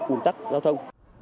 ùn tắc giao thông